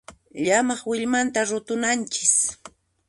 Llamaq willmanta rutunanchis.